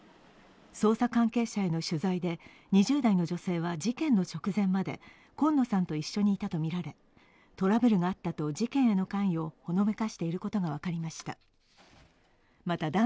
捜査関係者への取材で、２０代の女性は事件の直前まで今野さんと一緒にいたとみられトラブルがあったと事件への関与をほのめかしていることが分かりました。